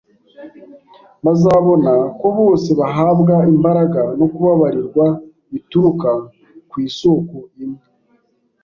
Bazabona ko bose bahabwa imbaraga no kubabarirwa bituruka ku isoko imwe